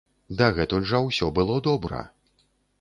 Дагэтуль жа ўсё было добра.